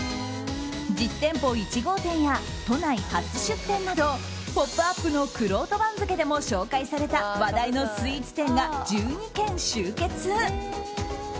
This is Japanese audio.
実店舗１号店や都内初出店など「ポップＵＰ！」のくろうと番付でも紹介された話題のスイーツ店が１２軒集結。